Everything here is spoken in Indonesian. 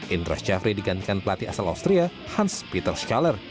indra syafri digantikan pelatih asal austria hans peter shaller